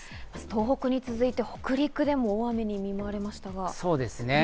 東北に続いて北陸でも大雨に見舞われましたが。